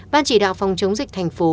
ban chỉ đạo phòng chống dịch thành phố